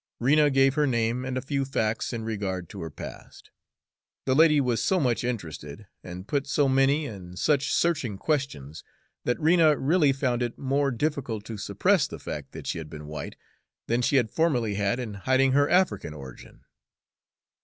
Rena gave her name and a few facts in regard to her past. The lady was so much interested, and put so many and such searching questions, that Rena really found it more difficult to suppress the fact that she had been white, than she had formerly had in hiding her African origin.